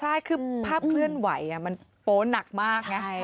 ใช่คือภาพเคลื่อนไหวมันโป๊หนักมากไง